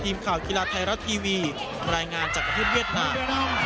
ทีมข่าวธิลาธิรัตน์ไทยรัตทีวีรายงานจากประเทศเวียดนาม